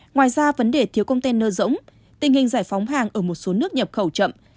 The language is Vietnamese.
ngoài ra vấn đề thiếu công tên nơ rỗng tình hình giải phóng hàng ở một số nước nhập khẩu chậm